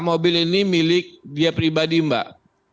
mobil ini milik dia pribadi mbak